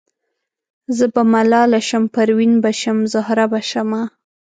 زه به ملاله شم پروین به شم زهره به شمه